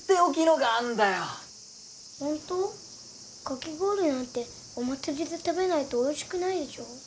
かき氷なんてお祭りで食べないとおいしくないでしょ？